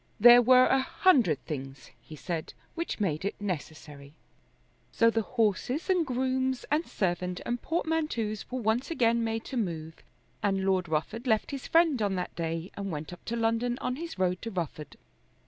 There were a hundred things, he said, which made it necessary. So the horses and grooms and servant and portmanteaus were again made to move, and Lord Rufford left his friend on that day and went up to London on his road to Rufford.